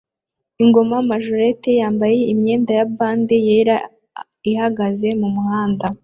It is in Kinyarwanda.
Ingoma majorette yambaye imyenda ya bande yera ihagaze mumuhanda